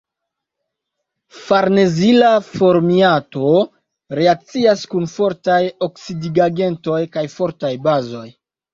Farnezila formiato reakcias kun fortaj oksidigagentoj kaj fortaj bazoj.